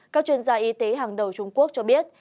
các chuyên gia y tế hàng đầu trung quốc cho biết